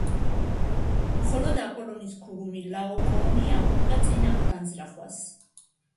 მხოლოდ აპოლონის ქურუმი ლაოკოონი აღუდგა წინ ამ განზრახვას.